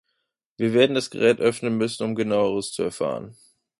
Wir werden das Gerät öffnen müssen, um Genaueres zu erfahren.